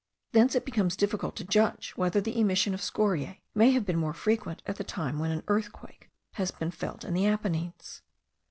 Thence it becomes difficult to judge whether the emission of scoriae may have been more frequent at the time when an earthquake has been felt in the Apennines.